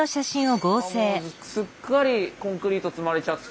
もうすっかりコンクリート積まれちゃって。